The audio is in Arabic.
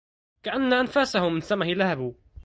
كأن أنفاسه من سمه لهبٌ